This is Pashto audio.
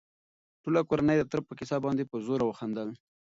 ټوله کورنۍ د تره په کيسه باندې په زوره وخندل.